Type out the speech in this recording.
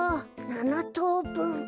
７とうぶん。